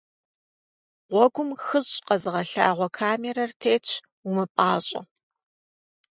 Гъуэгум «хыщӏ» къэзыгъэлъагъуэ камерэ тетщ, умыпӏащӏэ.